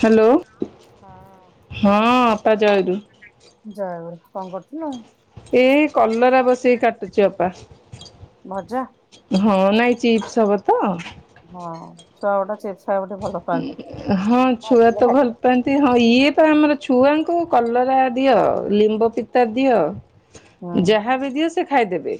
Hello ହଁ। ହଁ ଆପା ଯାଇଦୁ। ଜୟଗୁରୁ କଣ କରୁଥିଲୁ? ଏଇ କଲରା ବସେଇି କାଟୁଚି ଅପା। ମଜା। ହଁ ନାଇଁ ଚିପ୍ସ ହବ ତ। ହଁ ଛୁଆ ଗଟା ଚେପ୍। ହଁ ଛୁଆ ତ ଭଲ। ନ୍ତି ହଁ ଇଏ ତ ଆମର ଛୁଆଙ୍କୁ କଲରା ଦିଅ ଲିମ୍ବ ପିତା ଦିଅ। ହୁଁ ଯାହା ବି ଦିଅ ସେ ଖାଇଦେବେ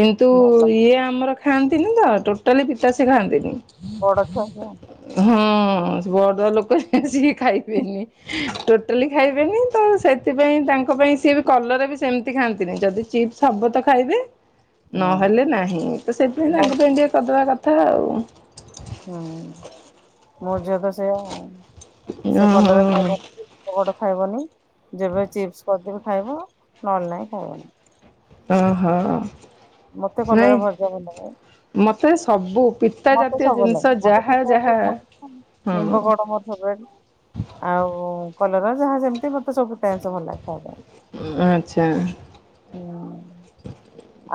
କିନ୍ତୁ ଭଲ ଇଏ ଆମର। ଖାଆନ୍ତିନି ତ ଟୋଟାଲି ପିତା ସେ ଖାଆନ୍ତିନି। ବଡଛା [unintelligible] ହଁ ବଡ ଲୋକ ସିଏ ଖାଇବନି। ଟୋଟାଲି ଖାଇବେନି ତ ସେଥିପାଇଁ ତାଙ୍କ ପାଇଁ ସିଏ ବି କଲର ବି ସେମିତି ଖାଆନ୍ତିନି ଯଦି ଚିପ୍ସ। ସବୁ ତ ଖାଇବେ। ହୁଁ ନହେଲେ ନାହିଁ ତ ସେଇଥିପାଇଁ ମୋ ତାଙ୍କ ପାଇଁ ଟିକେ କରିଦବା କଥା ଆଉ। ହଁ। [inaudible] ମୋ ଝିଅ ତ ସେଏ ସେ ଓହୋ କଲରା ଖାଇବନିଟ ଖାଇବନି। ଯେବେ ଚିପସ କରିଦେବି ଖାଇବ ନହେ ନା ହିଁ ଖାଇବନି। ହୁଁ ହୁଁ ମତେ କଲର ଭଜା ଭଲ ଲାଗେ ଖାଇବାକୁ। ମୋତେ ସବୁ ପି। ମତେ ସବୁ ଲାଗ ହଁ ମତେମ୍ବ ବଡ ମୋର ସବ। ଆଉ କଲର ଯାହା ଯେମତି ମତେ ସବୁ ପ୍ୟାନ୍ ଭଲ ଲାଗେ ଖାଇବାକୁ। ଆଚ୍ଛା। [unintelligible]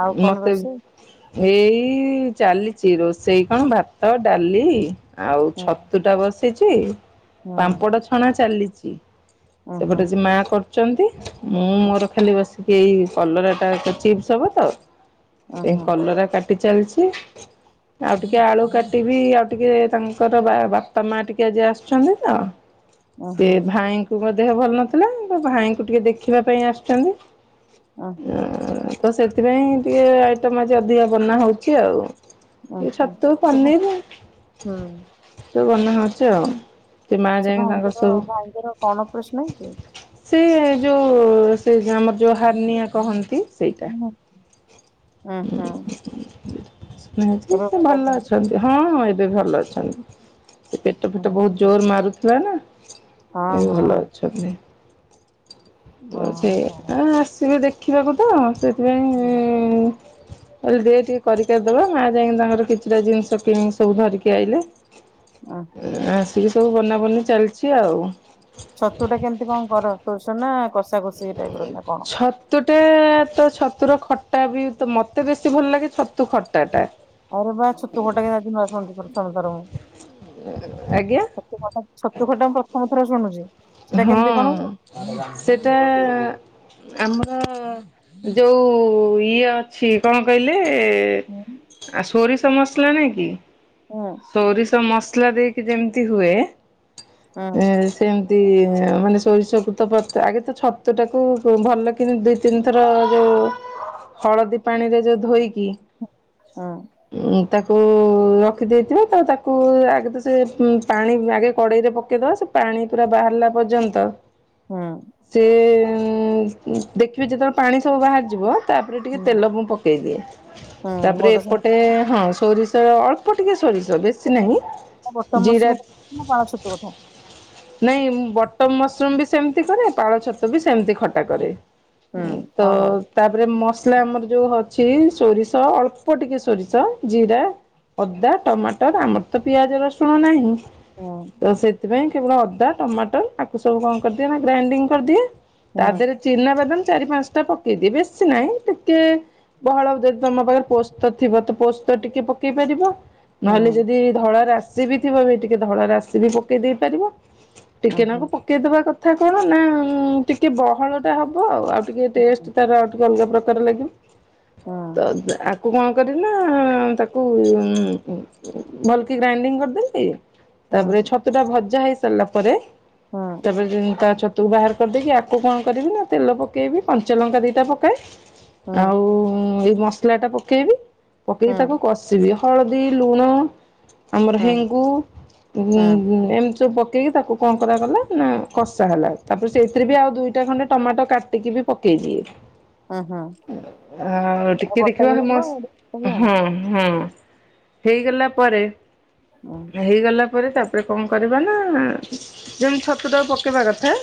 ଆଉ କଣ ମୋତେ ରୋଷେଇ ଏଇ ଚାଲିଚି ରୋଷେଇ କଣ ଭାତ, ଡାଲି ଆଉ ହୁଁ ଛତୁ ଟା ବସିଛି। ହୁଁ। ପାମ୍ପଡ଼ ଛଣା ଚାଲିଚି। ଉହୁଁ ସେପଟେ ସେ ମା କରୁଚନ୍ତି। ମୁଁ ମୋର ଖାଲି ବସିକି ଏଇ କଲରା ଟା କର ଚିପ୍ସ ହବ ତ ଏଇ ଉହୁଁ କଲରା କାଟି ଚାଲିଛି। ଆଉ ଟିକେ ଆଳୁ କାଟିବି ଆଉ ଟିକେ ତାଙ୍କର ବା- ବାପା ମାଆ ଟିକେ ଆଜି ଆସୁଛନ୍ତି ତ। ହ ସେ ଭାଇଙ୍କୁ ମୋ ଦେହ ଭଲ ନଥିଲା ତ ଭାଇଙ୍କୁ ଟିକେ ଦେଖିବା ପାଇଁ ଆସିଛନ୍ତି। ଉହୁଁ ଅଁ, ତ ସେଥିପାଇଁ ଟିକେ ଆଇଟମ ଆଜି ଅଧିକା ବନା ହଉଛି ଆଉ। ଏ ଓହୋ, ଛତୁ ସେବା ପନିର ହଁ। ସବୁ ବନା ହଉଛି ଆଉ। ମା ସେ ଯାଇକି ତାଙ୍କର ଭାଇଙ୍କର ସବୁ ଭାଇଙ୍କର କଣ ଅପ୍ରେସନ୍ ହେଇଛି? ସେ ଯୋଉ ସେ ଯେ ଆମର ଯୋଉ ହାନିଆ କହନ୍ତି ସେଇ। ମୁଁ ଓ ହଁ। ଏବେ ସିଏ ଭଲ ଅଛନ୍ତି। ହଁ ହଁ ଏବେ ଭଲ ଅଛନ୍ତି। ସେ ପେଟ ଫେଟ ହୁଁ। ବହୁତ ଜୋର ମାରୁଥିଲା ନା ହଁ ଏବେ ହଁ ଭଲ ଅଛନ୍ତି। ଯୋଉ ହଁ ସିଏ ହଁ। ଆ, ଆସିବେ ଦେଖିବାକୁ ତ ସେଥିପାଇଁ ଆରେ ଦେ ଟିକେ କରି କାରି ଦବା ମା ଯାଇକି ତାଙ୍କର କିଛିଟା ଜିନିଷ କିଣିକି ସବୁ ଧରିକି ଆଇଲେ। ଓହୋ ଆସିକି ସବୁ ବନାବନି ଚାଲିଛି ଆଉ। ଛତୁ ଟା କେମିତି କଣ କର କଷା ନା କଷ କଷି ଟାଇପ ର ଏଁ, ଛତ ତୁ ଟେ ତ ଛତୁର ଖଟା ବି ତ ମୋତେ ବେଶୀ ଭଲ ଲାଗେ ଛତୁ ଖଟା ଟା। ଆରେ ବା ଛତୁ କଟା କେ ଆଜି ନୂଆ ଶୁଣିଲେ ପ୍ରଥମ ଥର ମୁଁ ଆଜ୍ଞା ସେ ଖଟା ଛତୁ ଖଟା ମୁଁ ପ୍ରଥମ ଥର ଶୁଣୁଛି। ସେଟା କେମିତି କଣ ହୁଏ? ହଁ। ସେଟା ଆମର ଯୋଉ ଇଏ ଅ ଛି କଣ କହିଲେ ହୁଁ ଆ, ସୋରିଷ ମସଲା ନାଇକି। ହୁଁ ସୋରିଷ ମସଲା ଦେଇକି ଯେମିତି ହୁଏ। ହୁଁ ଏଁ, ସେମ ତି ଆ, ମାନେ ସୋରିଷ କୁ ତ ପଥ ଆଗେ ତ ଛତୁ ଟାକୁ କୁ ଭଲ କିନି ଧୋଇ ତିନିଥର ଯୋଉ ହଳଦୀ ପାଣିରେ ଯେ ଧୋଇକି ହଁ। ଉଁ, ତାକୁ ରଖିଦେଇଥିବା ତ ତାକୁ ଆଗେ ତ ସେ ଉଁ, ପାଣି ଆଗେ କଡେଇରେ ପ କେଇଦବା ସେ ପାଣି ପୁରା ବାହାରିଲା ପର୍ଯ୍ୟନ୍ତ ହଁ। ସେ ଉଁ, ଉଁ, ଦେଖିବେ ଯେତେବେଳେ ପାଣି ସବୁ ବାହାରିଯିବ ତାପରେ ଟିକେ ହୁଁ ତେଲ ମୁଁ ପକେଇଦିଏ। ହୁଁ, ମୁଁ ତାପରେ ତ ଏପଟେ ସେମତି ହଁ ସୋରିଷର ଅ ପ ଟିକେ ସୋରିଷ ବେଶ [inaudible] ବଟ ମସୃମ ନା ପାଳ ଛତୁ କଥା? ନାଇଁ ମୁଁ ବଟମ୍ ମସୃମ୍ ବି ସେମିତି କରେ। ପାଳ ଛତୁ ବି ସେମିତି ଖଟା କରେ। ହୁଁ ଉଁ, ତ ଓହୋ। ତାପରେ ମସଲା ଆମର ଯୋଉ ଅଛି ସୋରିଷ ଅଳ୍ପ ଟିକେ ସୋରିଷ ଜିରା ଅଦା ଟମାଟର ଆମର ତ ପିଆଜ ରସୁଣ ନାହିଁ। ତ ସେଥିପାଇଁ କେବଳ ଅଦା ଟମାଟର ତାକୁ ସବୁ କଣ କରିଦିଏ ନା ଗ୍ରାଇଣ୍ଡିଙ୍ଗ କରିଦିଏ। ତା ଦେହରେ ଚିନାବାଦାମ ଚାରି ପାନ୍ସଟା ପକେଇଦି ବେଶୀ ନାହିଁ। ଟିକେ ବହଳ ଯଦି ତୋମ ପାଖରେ ପୋସ୍ତ ଥିବ ତ ପୋସ୍ତ ଟିକେ ପକେଇ ପାରିବ। ନହେଲେ ଯଦି ଧଳା ରାଶି ବିି ଥିବ ବି ଟିକେ ଧଳା ରାଶି ବି ପକେଇ ଦେଇ ପାରିବ। ଟିକେନାଖୁ ପକେଇଦବା କଥା କଣ ନା ଟିକେ ବହଳ ଟା ହବ ଆଉ। ଆଉ ଟିକେ ଟେଷ୍ଟ ତାର ଆଉ ଟିକେ ଅଲଗା ପ୍ରକାର ଲାଗିବ। ତ ଯେ ଆକୁ କଣ କରିନା ତାକୁ ଉଁ, ଉଁ, ଭଲକି ଗ୍ରାଇଣ୍ଡିଙ୍ଗ କରିଦେଇକି ତାପରେ ଛତୁ ଟା ଭଜା ହେଇ ସାରିଲା ପରେ ହଁ। ତାପରେ ତା ଛତୁକୁ ବାହାର କରିଦେଇକି, ଆକୁ କଣ କରିବି ନା ତେଲ ପକେଇବି କଞ୍ଚାଲଙ୍କା ଦିଇଟା ପକାଏ- ଆଉ ଏଇ ମସଲା ଟା ପକେଇବି ପକେଇକି ତାକୁ କଷ ବି ହଳଦୀ ଲୁଣ ଆମର ହେଙ୍ଗୁ ଏମିତି ସବୁ ପକେଇି ତାକୁ- କଣ କରାହେଲା ନା କୋଷ ହେଲା, ତାପରେ ସେଇଥୀରେଭି ଆଉ ଦୁଇଟି ଖଣ୍ଡେ ଟମାଟର କାଟିକିଭି ପକାଇଦିଏ। ହ [inaudible] ଆଉ ଟିକେ ବର୍ଷା ଦେଖିବା ହେଇଥିବ ଆଉ କରିବ ସମସ୍ତ ହୁଁ ହୁଁ [unintelligible] ହେଇଗଲା ପରେ ଆଉ। ହେଇଗଲା ପରେ ତାପରେ କଣ କରିବା ନା ଯେମି ଛତୁଟାକୁ ପକେଇବା କଥା।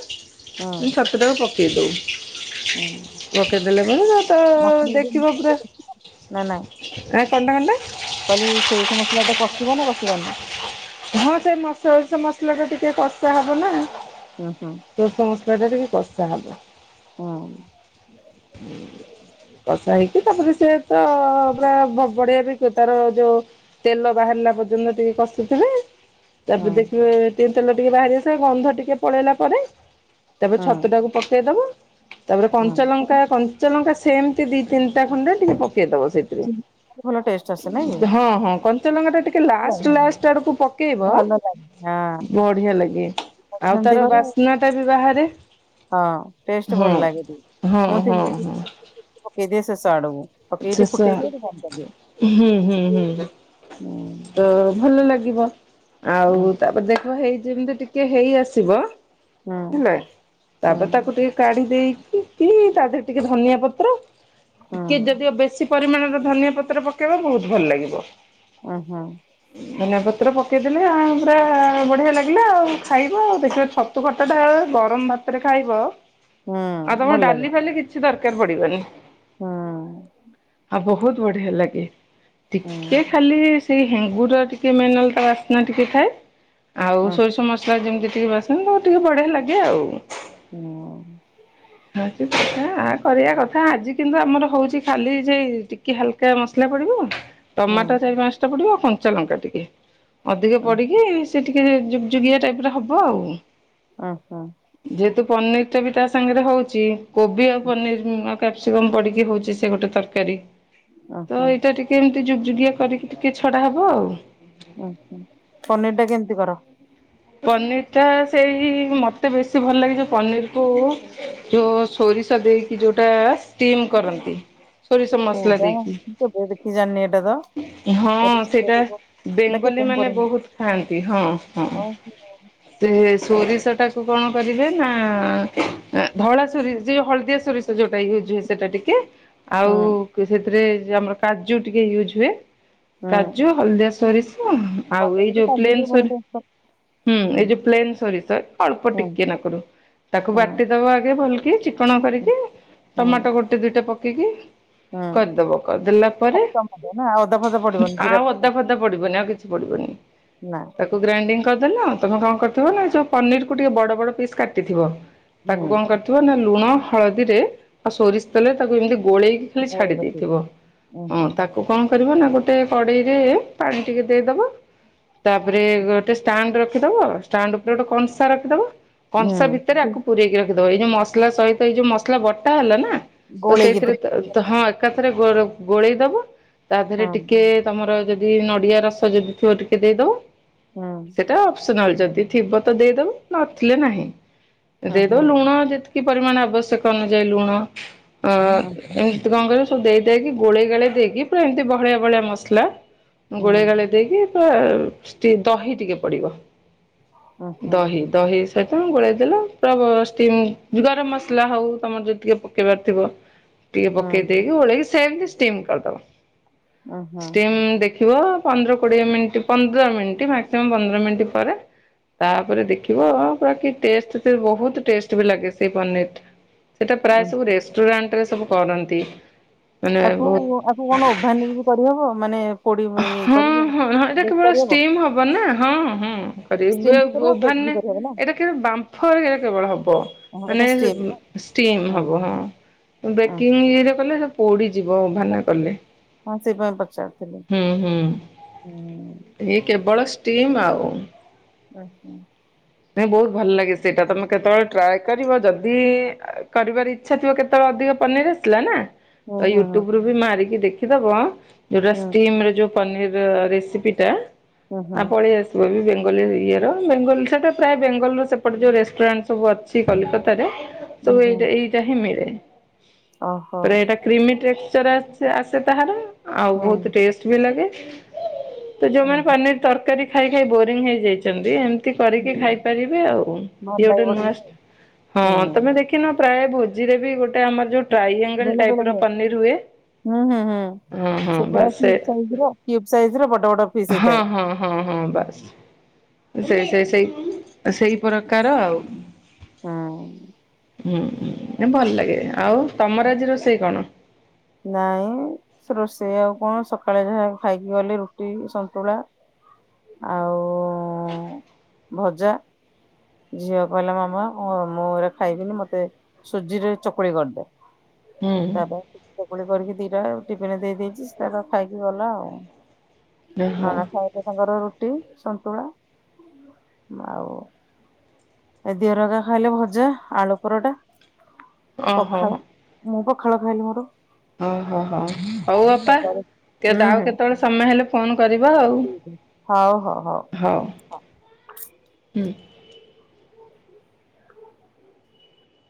ମୁ ହୁଁ ଛତୁଟାକୁ ପକାଇ ଦେଉ ହୁଁ ହୁଁ ପକେଇ ଦେଲେ ମ ଯ ତ ମସଲା [unintelligible] ଯଦି ଦେଖିବ ମସଲା ପୁରା ବି କଷି ଏ କଟା କତାେ [inaudible] କାଲି ସୋଇଷ ମସଲା ଟା କଷିବା ନା କଷିବନି। ହଁ ସେ ସୋରିଷ ମସଲା ଟା ଟିକେ କଷା ହବ ନା। ହୁଁ ହଁ ସୋରିଷ ମସଲା ଟିକିଏ କଷା ହବ। ହଁ। କଷା ହେଇକି ତାପରେ ସେ ତ ପୁରା ବଢିଆ ବିିକ ତାର ଯୋଉ ତେଲ ବାହାରିଲା ପର୍ଯ୍ୟନ୍ତ ଟିକେ କଷି ତାପରେ ହୁଁ ଦେଖିବେ ତିନ ତେଲ ଟିକେ ବାହାରି ଆସିବ ଗନ୍ଧ ଟିକେ ପଳେଇଲା ପରେ।। ତାପରେ ହୁଁ ଛତୁ ଟାକୁ ପକେଇଦବା ତାପରେ ହୁଁ କଞ୍ଚା ଲଙ୍କା ଚଲଙ୍କା ସେମିତି ଦି ତିିଟା ଖଣ୍ଡେ ଟିକେ ପକେଇଦବ ସେଠି ଚିଲି ପକେଇଲେ ଭଲ ଟେଷ୍ଟ ଆସେ ନାଇଁ କି? ହଁ ହଁ କଞ୍ଚଲଙ୍କା ଟା ଟିକେ ଭଲ ଲାଷ୍ଟ ଲାଷ୍ଟ ସେଗୁଡିକୁ ପକେଇବ ଲାଗେ ହଁ ବଢି ଲାଗେ। ମୁଁ ବି ଆଉ ସେମିତି ତାର କରେ ବାସ୍ନା ବିି ବାହାରେ [unintelligible] ହଁ ଟେଷ୍ଟ ଭଲ ହଁ ଲାଗେ ହଁ ମୁଁ ହଁ ହଁ [unintelligible] ଶେଷ ଆଡକୁ। ପକେଇକି ଶେଷ ଫୁଟେଇ ଦେବ କଣ କରିବ। ହୁଁ ହୁଁ ହୁଁ ହ। ତ ଭଲ ଲାଗିବ। ହୁଁ ଆଉ ତାପରେ ଦେଖ ହେଇ ଯେମିତି ଟିକେ ହେଇ ଆସିବ ହେଲା ହୁଁ ତାପରେ ତାକୁ ଟିକେ କାଢି ଦେଇକି କି ତା ଦେହରେ ଟିକେ ଧନିଆ ପତ୍ର ହୁଁ ଟିକେ ଯଦିଓ ବେଶୀ ପରିମାଣର ଧନିଆ ପତ୍ର ପକେଇବା ବହୁତ ଭଲ ଲାଗିବ। ଓହୋ! ଧନିଆ ପତ୍ର ପକେଇଦେଲେ ଆଉ ପୁରା ବଢିଆ ଲାଗିଲା ଆଉ ଖାଇବ ଆଉ ଦେଖିବା ଛତୁ ଛତୁ [unintelligible] ଗରମ ଭାତରେ ଖାଇବ ହୁଁ ଆଉ ତମର ଭଲ ଡାଲି ଖାଲେ କିଛି ଦରକାର ପଡିବନି। ହଁ। ଆଉ ବହୁତ ବଢିଆ ଲାଗେ। ହୁଁ ଟିକେ ଖାଲି ସେଇ ହେଙ୍ଗୁ ଟ ଟିକେ ମେଲ ତା ବାସ୍ନା ଟିକେ ଥାଏ ଆଉ ହୁଁ ହୁଁ। ସୋରିଷ ଯେମିତି ଟିକେ ବାସନ୍ତି ଟିକେ ବଢିଆ ଲାଗେ ଆଉ। ହଁ। ଆ କଥା ଆ କରିବା କଥା ଆଜି କିନ୍ତୁ ଆମର ହଉଛି ଖାଲି ସେ ଟିକେ ହାଲକା କେ ମସଲା ପଡିବ- ହୁଁ ଟମାଟୋ ଚାରି ପାଞ୍ଚଟା ପଡିବ ଆଉ କଞ୍ଚା ଲଙ୍କା ଟିକେ ଅଧିକ ହୁଁ ପଡିକି ସେ ଟିକେ ଯୁଗିଆ ଟାଇପରେ ହବ ଆଉ। ଓହୋ! ଯେହେତୁ ପନିର ଟା ବି ତା ସାଙ୍ଗରେ ହଉଛି କୋବି ଆଉ ପନିର। କ୍ୟାପ୍ସିକମ ପଡିକି ହଉଛି ସେ ଗୋଟେ ତରକାରୀ। ହୁଁ ତ ହୁଁ। ଏଇଟା ଟିକେ ଏମିତି ଯୁଗୁଗଆ କରିକି। ଟିକେ ଛଡା ହେବ ଆଉ। ଓ ପନିର ଟା କେମିତି କର। ପନିର ଟା ସେଇ ମତେ ବେଶୀ ଭଲ ଲାଗେ ଯୋଉ ପନିର କୁ। ଯୋଉ ସୋରିଷ ଦେଇକି ଯୋଉଟା ଷ୍ଟିମ କରନ୍ତି। ସୋରିଷ ମସଲା କୋଉଟା ଦେଇକି କେବେ ଦେଖି ଜାଣିନି ଏଇଟା ତ ହଁ ସେଇଟା। ଏଇଟା କେବେ ବେଙ୍ଗଲୀ ମୁଁ ମାନେ କରିନି ବହୁତ ଖାଆନ୍ତି ହଁ ହଁ। ଓହୋ ସେ ସୋରିଷ ଟାକୁ କଣ କରିବେ ନା ଧଳା ସୋରିଷ ଯଉ ହଳଦିଆ ସୋରିଷ। ଯୋଉଟା ଇ ହୁଏ ସେଟା ଟିକେ ହୁଁ ଆଉ ସେଥିରେ ଆମର କାଜୁ ଟିକେ ୟୁଜ୍ ହୁଏ ହୁଁ କାଜୁ ହଳଦିଆ ସୋରିଷ। ଆଉ ଏଇ ପନିର କି ଯୋଉ କାଜୁ ଟିକେ ପ୍ଲେନ୍ ଭଲ ସୋରି ଟେଷ୍ଟ ହୁଁ କରେ ଏଇ ଯୋଉ ପ୍ଲେନ୍ ସୋରିଷ ଅଳ୍ପ ହୁଁ ଟିକିଏ ନାଗୁରୁ ତାକୁ ହୁଁ ବାଟିଦବା ଆଗେ ଭଲ୍ କି କଣ ହୁଁ। କରିକି ହୁଁ ଟମାଟୋ ଗୋଟେ ଦିଇଟା ପକେଇକି ହୁଁ କରିଦବ କରିଦେଲା ପରେ ଖାଲି ଟମାଟୋ ନା ଅଦା ଫଦା ପଡିବନି ଜିରା ଆଉ ଅଦା ଫଦା ପଡିବନି ଆଉ କିଛି ପଡ଼ିବନି। ନାଁ। କୁ ଗ୍ରାଇଣ୍ଡିଂ କରିଦେଲ ତମେ କଣ କରିଥିବ ନା ଯୋଉ ପନିର କୁ ଟିକେ ବଡ ବଡ ପିସ୍ କାଟିଥିବ। ତାକୁ ହୁଁ କଣ କରିଥିବ ନା ଲୁଣ ହଳଦୀରେ ଆଉ ସୋରିଷ ତଲେ ତାକୁ ଏମିତି ଗୋଳେଇକି ଖଲି ଛାଡି ଗୋଳେଇ ରଖିବି ଦେଇଥିବ ଉଁ ହଁ ହୁଁ ତାକୁ କଣ କରିବ ନା ଗୋଟେ କଡେଇରେ ପାଣି ଟିକେ ଦେଇଦବା ତାପରେ ଗୋ ଗୋଟେ ଷ୍ଟାଣ୍ଡ ରଖିଦବ ଣ୍ଡ ଉପରେ ଗୋଟେ କଂସା ରଖିଦବ କଂସା ଭିତରେ ହୁଁ ଆକୁ ପୁରରେଇକି ରଖିଦବ ଏଇ ଯୋଉ ମସଲା ସହିତ ଏଇ ଯୋଉ ମସଲା ବଟା ହେଲା ନା ତ ଗୋଳେଇକି ଦେ ସେଇଥିରେ ତ ତ ହଁ ଏକାଥରେ ଗୋ ଗୋଳେଇ ଦବ ତା ଦେହରେ ହୁଁ ଟିକେ ତମର ଯଦି ନଡ଼ିଆ ରସ ଯଦି ଥିବ ଟିକେ ଦେଇଦେବ। ହୁଁ। ଅପସନାଲ ଯଦି ଥିବ ତ ଦେଇଦବ ନଥିଲେ ନାହିଁ ଉଁ ଦେଇଦଉ ହୁଁ ଲୁଣ ଯେ କି ପରିମାଣ ଆବଶ୍ୟକ ଅନୁଯାୟୀ ଲୁଣ ଅ ଉଁ ଏ ଏମିତି କଣ କରୁଚୁ ଦେଇକି ଗୋଳେଇ ଗୋଳ ଦେଇକି ପୁରା ଏମିତି ଭଳିଆ ଭଳିଆ ମସଲା। ହୁଁ ଗୋଳେଇ ଗୋଳି ଦେଇକି ପୁର ଦହି ଟିକେ ପଡିବ। ଉଁ ହୁଁ ଦହି। ଦହି ସହିତ ଗୋଳେଇଦେଲ ପୁରା ମ ଗରମ ମସଲା ହଉ ତମର ଯଦି ଟିକେ ପକେଇବାର ଥିବ। ଟିକେ ହୁଁ ପକେଇ ଦେଇକି ଓଳେଇକି ସେମିତି ଷ୍ଟିମ୍ କରିଦବ। ଉଁ ହୁଁ ଷ୍ଟିମ୍ ଦେ ଥିବ ପନ୍ଦର କୋଡିଏ ମିନିଟ୍ ପନ୍ଦର ମିନିଟ ମାକ୍ସିମମ୍ ପନ୍ଦର ମିନିଟ୍ ପରେ ତାପରେ ଦେଖିବ ପୁରା କି ଟେଷ୍ଟ ସେ ବହୁତ ଟେଷ୍ଟ ବି ଲାଗେ ସେଇ ପନିର। ସେଇଟା ପ୍ରାୟ ଉଁ ସବୁ ରେଷ୍ଟୁରାଣ୍ଟରେ ସବୁ କରନ୍ତି। ମାନେ ଆକୁ ବହୁତ ଆକୁ କଣ ଉଭାନ ହେଇକି କରିହେବ ମାନେ ପୋଡି ଇଏ ହଁ କରିହବ? ହଁ ଏଇଟା ବେକ୍ କେବଳ କରିହବ ଷ୍ଟିମ୍ ହବ ନା ହଁ ହଁ। ଷ୍ଟିମ୍ କରିବେ ବି କରିହବ ବେକ୍ ଉଭାନ ବି ରେ କରିହବ ନା ଏଇଟା କେ ବାମ୍ଫରଟ କେବଳ ହବ ହଁ ଏଇଟା ମାନେ ଷ୍ଟିମ୍ ନା ଷ୍ଟିମ୍ ହବ ହୁଁ ହଁ। ବେକିଂ ଇରେ କଲେ ସେ ପୋଡିଯିବ ହୁଁ। ଭାନା କଲେ। ହଁ ସେଇଥିପାଇଁ ପଚାରୁଥିଲି। ହୁଁ ହୁଁ ହୁଁ ଇଏ କେବଳ ଷ୍ଟିମ୍ ଆଉ। ଆଚ୍ଛା। ନାଇଁ ବହୁତ ଭଲ ଲାଗେ ସେଇଟା ତମେ କେତେବେଳେ ଟ୍ରାଏ କରିବ ଯଦି କରିବାର ଇ ଇଛା ଥିବ କେତେବେଳେ ଅଧିକ ପନିର ଆସିଥିଲା ନା। ତ ହୁଁ ହୁଁ ୟୁଟ୍ୟୁବ ହୁଁ ରୁ ବି ମାରିକି ଦେଖିଦବ ଯୋଉଟା ଷ୍ଟିମ୍ ରେ ଯୋଉ ପନିର ରେସିପି ଟା ହୁଁ ହୁଁ ଆ ପଳେଇ ଆସିବ ବି ବେଙ୍ଗଲୀ ଇଏର ବେଙ୍ଗଲୀ ଟା। ପ୍ରାୟ ବେଙ୍ଗଲୁ ସେପଟେ ଯୋଉ ରେଷ୍ଟୁରାଣ୍ଟ ସବୁ ଅଛି କଲିକତାରେ ହୁଁ ସବୁ ହୁଁ ଏଇଟା ଏଇ ଟାହିଁ ମିଳେ ଓହୋ। ହିିରେ କ୍ରିଲିକ୍ଟ ଲେଚର ଆସେ ତାହାର। ଆଉ ହୁଁ ବହୁତ ଟେଷ୍ଟ ବି ଲାଗେ। ତ ହୁଁ ଯୋଉମାନେ ପାନିର ତରକାରୀ ଖାଇ ଖାଇ ବୋରିଙ୍ଗ ହେଇଯାଇଛନ୍ତି ଏମିତି କ ହୁଁ ଖାଇପାରିବେ ଆଉ ଭଲ ଇଏ ଗୋଟେ ଲାଗିବ ନୂଆ ଟିକେ ହଁ ହୁଁ ତମେ ଦେଖ। ପ୍ରାୟ ଭୋଜିରେ ବି ଗୋଟେ ଆମର ଯୋଉ ଟ୍ରାଇଏଙ୍ଗଲ ବେଳେ ବେଳେ ଟାଇପର ହୁଏ। ପନିର ହୁଏ। ହୁଁ ହୁଁ ହୁଁ ହଁ ହଁ ସେ ପୁରା ବାସ୍ କ୍ୟୁବ ସାଇଜର କ୍ୟୁବ ସାଇଜର ବଡ ବଡ ପିସ ହଁ ହୋଇଥାଏ। ହଁ ହଁ ବାସ୍ ସେ ସେ ସେଇ ସେଇ ପ୍ରକାର ଆଉ ହୁଁ ହୁଁ ଭଲ ଲାଗେ ଆଉ ତମର ଆଜି ରୋଷେଇ କଣ। ନାଇଁ ସେ ରୋଷେଇ ଆଉ କଣ ସକାଳେ ଯାହା ଖାଇକି ଗଲେ ରୁଟି, ସନ୍ତୁଳା। ଆଉ ଭଜା ଝିଅ କହିଲା ମାମା ମୁଁ ଏରା ଖାଇବିନି ମତେ ସୁଜିରେ ଚକୁଳି କରିଦେ। ହୁଁ ତାପ ଚକୁୁଳି କରିକି ଦିଟା ଟିଫିିନ ଦେଇଦେଇଛି ସେ ତାର ଖାଇକି ଗଲା ଆଉ। ଓହୋ ନନା ଖାଇଲେ ତାଙ୍କର ରୁଟି ସନ୍ତୁଳା ଆଉ। ଏ ଦିଅରଗା ଖାଇଲେ ଭଜା ଆଳୁ ପରଟା ଓହୋ ହୋ ପଖାଳ। ମୁଁ ପଖାଳ ଖାଇଲି ମୋର। ଓହୋ ହୋ ହଉ ବାପା ହୁଁ ଟଉ ହୁଁ କେତେବେଳେ ସମୟ ହେଲେ। ଫୋନ କରିବା ଆଉ ହଉ ହଉ ହଉ ହୁଁ।